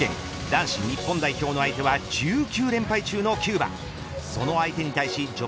男子日本代表の相手は１９連敗中のキューバ。